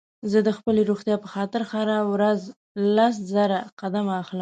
زه د خپلې روغتيا په خاطر هره ورځ لس زره قدمه اخلم